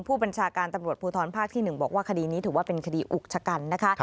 ผู้บัญชาการตำรวจภูทรภาคที่๑บอกว่าคดีนี้ถือว่าเป็นคดีอุกชะกันนะคะ